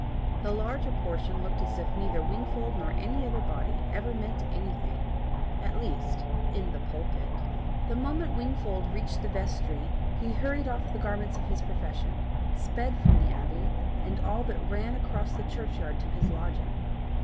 The larger portion looked as if neither Wingfold nor any other body ever meant anything at least in the pulpit. The moment Wingfold reached the vestry, he hurried off the garments of his profession, sped from the Abbey, and all but ran across the church yard to his lodging.